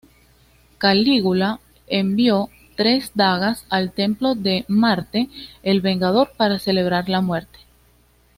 Calígula envió tres dagas al Templo de Marte el Vengador para celebrar la muerte.